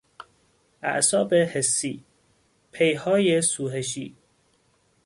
اعصاب حسی، پیهای سوهشی